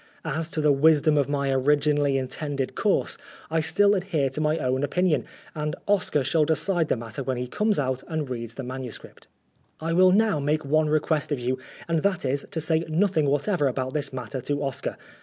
As to the wisdom of my originally intended course, I still adhere to my own opinion, and Oscar shall decide the matter when he comes out and reads the MS. I will now make one request of you, and that is, to say nothing whatever about this matter to Oscar.